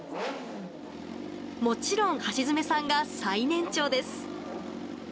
もちろん橋爪さんが最年長です。